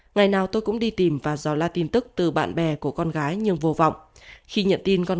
ngày nào tôi cũng đi tìm và dò la tin tức từ bạn bè của con gái nhưng vô vọng khi nhận tin con